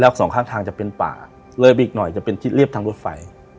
สองข้างทางจะเป็นป่าเลยไปอีกหน่อยจะเป็นทิศเรียบทางรถไฟ